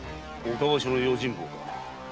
岡場所の用心棒か。